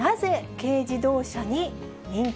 軽自動車に人気。